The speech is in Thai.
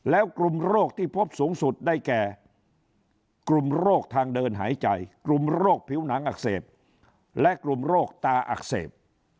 แล้วกลุ่มโรคที่พบสูงสุดได้แก่กลุ่มโรคทางเดินหายใจกลุ่มโรคผิวหนังอักเสบและกลุ่มโรคตาอักเสบ